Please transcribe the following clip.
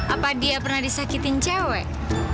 apa dia pernah disakitin cewek